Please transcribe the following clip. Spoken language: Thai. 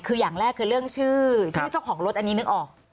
คืออย่างแรกคือเรื่องชื่อชื่อเจ้าของรถอันนี้นึกออก